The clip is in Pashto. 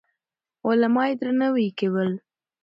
علما يې درناوي کول.